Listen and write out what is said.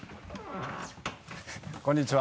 こんにちは。